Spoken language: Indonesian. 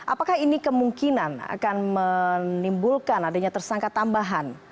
apakah ini kemungkinan akan menimbulkan adanya tersangka tambahan